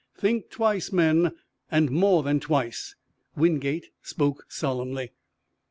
Think twice, men, and more than twice!" Wingate spoke solemnly.